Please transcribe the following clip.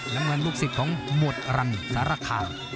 น้ำเงินลูกศิษย์ของหมวดรังสารคาม